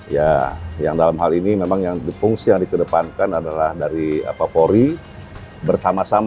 ya yang dalam hal ini memang yang fungsi yang dikedepankan adalah dari polri bersama sama